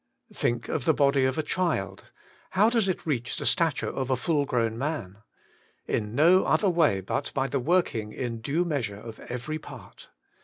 Think of the body of a child ; how does it reach the stature of a full grown man ? In no other way but by the working in due measure of every part.